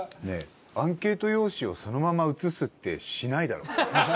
ねえアンケート用紙をそのまま映すってしないだろ。